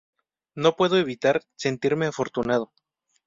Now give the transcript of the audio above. No puedo evitar sentirme afortunado.